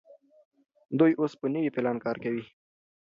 دوی اوس په نوي پلان کار کوي.